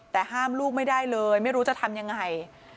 แต่ห้ามลูกไม่ได้เลยไม่รู้จะทำยังไง